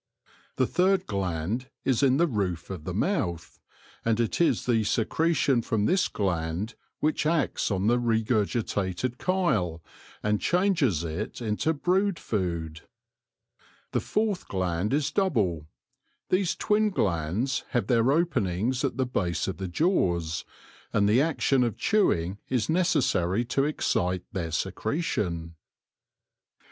The third gland is in the roof of the mouth, and it is the secretion from this gland which acts on the re gurgitated chyle, and changes it into brood food. The fourth gland is double. These twin glands have their openings at the base of the jaws, and the action of chewing is necessary to excite their secretion.